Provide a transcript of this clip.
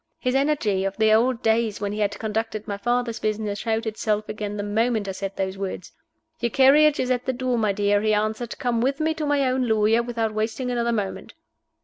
His energy of the old days when he had conducted my father's business showed itself again the moment I said those words. "Your carriage is at the door, my dear," he answered. "Come with me to my own lawyer, without wasting another moment."